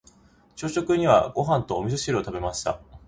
朝食にはご飯と味噌汁を食べました。